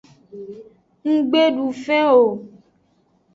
Nggbe du fen o.